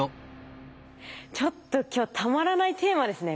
ちょっと今日たまらないテーマですね